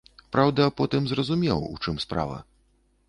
Праўда, потым зразумеў, у чым справа.